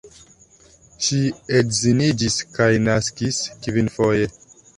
Ŝi edziniĝis kaj naskis kvinfoje.